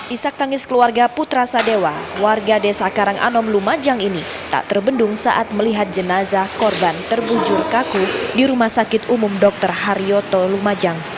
isak tangis keluarga putra sadewa warga desa karanganom lumajang ini tak terbendung saat melihat jenazah korban terbujur kaku di rumah sakit umum dr haryoto lumajang